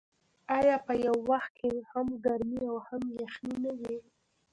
آیا په یو وخت کې هم ګرمي او هم یخني نه وي؟